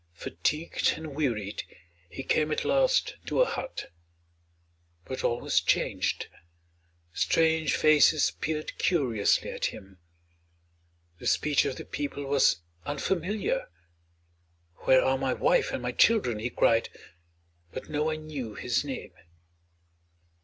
Fatigued and wearied, he came at last to a hut. But all was changed. Strange faces peered curiously at him. The speech of the people was unfamiliar. "Where are my wife and my children?" he cried. But no one knew his name.